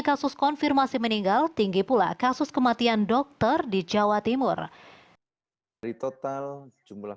kasus konfirmasi meninggal tinggi pula kasus kematian dokter di jawa timur dari total jumlah